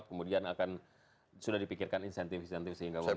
kemudian akan sudah dipikirkan insentif insentif sehingga mau dibuat